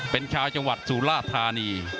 เป็นชาวจังหวัดสุราธานี